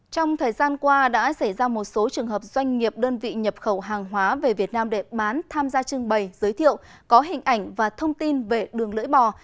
trong thời gian qua đã xảy ra một số trường hợp doanh nghiệp đơn vị nhập khẩu hàng hóa về việt nam để bán tham gia trưng bày giới thiệu có hình ảnh và thông tin về đường lưỡi bò